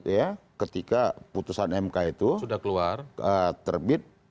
ya ketika putusan mk itu terbit